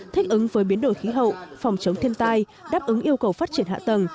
thích ứng với biến đổi khí hậu phòng chống thiên tai đáp ứng yêu cầu phát triển hạ tầng